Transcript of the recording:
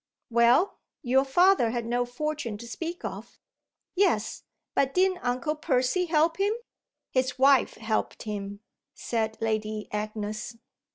"Well, your father had no fortune to speak of." "Yes, but didn't Uncle Percy help him?" "His wife helped him," said Lady Agnes.